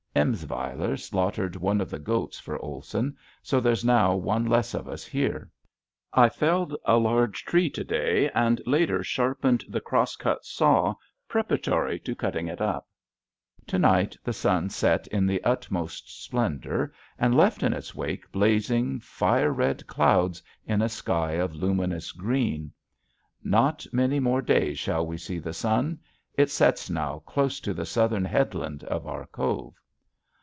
Emsweiler slaughtered one of the goats for Olson, so there's now one less of us here. I felled a large tree to day and later sharpened the cross cut saw preparatory to cutting it up. To night the sun set in the utmost splendor and left in its wake blazing, fire red clouds in a sky of luminous green. Not many more days shall we see the sun; it sets now close to the southern headland of our cove.